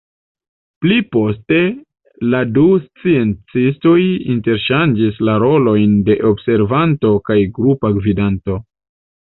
Pli poste la du sciencistoj interŝanĝis la rolojn de observanto kaj grupa gvidanto.